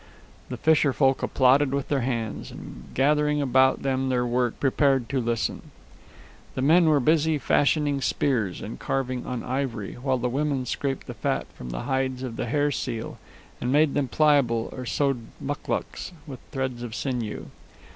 The fisherfolk applauded with their hands, and gathering about them their work, prepared to listen. The men were busy fashioning spears and carving on ivory, while the women scraped the fat from the hides of the hair seal and made them pliable or sewed muclucs with threads of sinew.